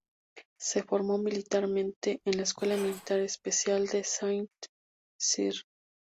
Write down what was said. Se formó militarmente en la Escuela Militar Especial de Saint-Cyr.